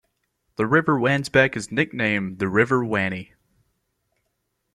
The River Wansbeck is nicknamed the River Wanney.